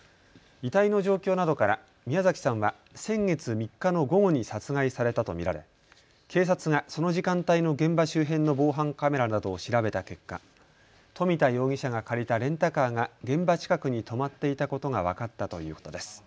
遺体の状況などから宮崎さんは先月３日の午後に殺害されたと見られ警察がその時間帯の現場周辺の防犯カメラなどを調べた結果、冨田容疑者が借りたレンタカーが現場近くに止まっていたことが分かったということです。